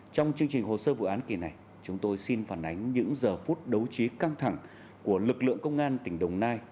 trong chương trình hồ sơ vụ án kỳ này chúng tôi xin phản ánh những giờ phút đấu trí căng thẳng của lực lượng công an tỉnh đồng nai